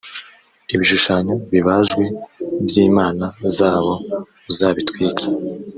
ibishushanyo bibajwe by imana zabo uzabitwike